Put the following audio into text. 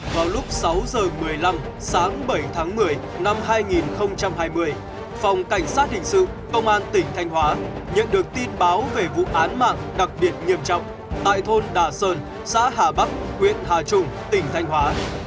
vào lúc sáu h một mươi năm sáng bảy tháng một mươi năm hai nghìn hai mươi phòng cảnh sát hình sự công an tỉnh thanh hóa nhận được tin báo về vụ án mạng đặc biệt nghiêm trọng tại thôn đà sơn xã hà bắc huyện hà trung tỉnh thanh hóa